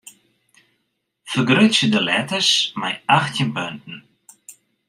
Fergrutsje de letters mei achttjin punten.